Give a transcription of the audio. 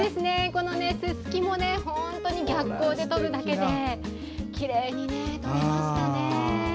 ススキも逆光で撮るだけできれいに撮れましたね。